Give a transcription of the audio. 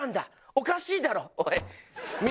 「おかしいだろおい。